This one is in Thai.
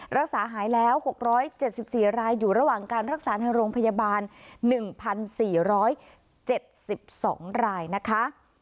รักษาหายแล้ว๖๗๔รายอยู่ระหว่างการรักษาในโรงพยาบาล๑๔๗๒รายนะคะ